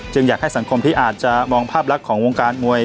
อยากให้สังคมที่อาจจะมองภาพลักษณ์ของวงการมวย